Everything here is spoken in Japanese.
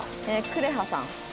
くれはさん。